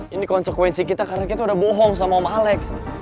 ini konsekuensi kita karena kita udah bohong sama males